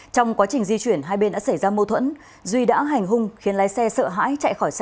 trong quá trình di chuyển hai bên đã xảy ra mâu thuẫn duy đã hành hung khiến lái xe sợ hãi